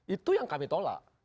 itu yang kami tolak